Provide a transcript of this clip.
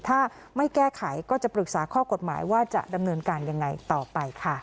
ถ้าไม่แก้ไขก็จะปรึกษาข้อกฎหมายว่าจะดำเนินการยังไงต่อไปค่ะ